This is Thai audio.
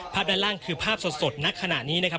ด้านล่างคือภาพสดณขณะนี้นะครับ